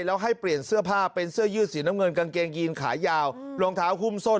แล้วให้เปลี่ยนเสื้อผ้าเป็นเสื้อยืดสีน้ำเงินกางเกงยีนขายาวรองเท้าหุ้มส้น